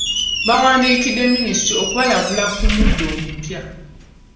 Bawandiikidde Minisitule okubalabula ku muddo omupya.